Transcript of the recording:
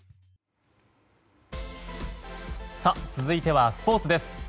続いてはスポーツです。